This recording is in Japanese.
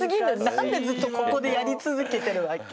何でずっとここでやり続けてるわけ？